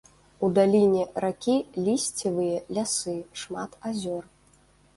У даліне ракі лісцевыя лясы, шмат азёр.